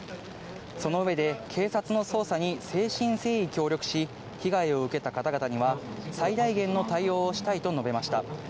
その上で、警察の捜査に誠心誠意協力し、被害を受けた方々には最大限の対応をしたいと述べました。